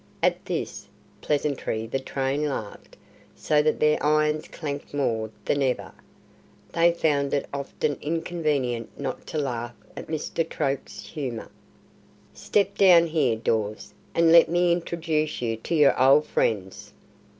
At this pleasantry the train laughed, so that their irons clanked more than ever. They found it often inconvenient not to laugh at Mr. Troke's humour. "Step down here, Dawes, and let me introduce you to your h'old friends.